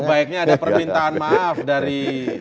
sebaiknya ada permintaan maaf dari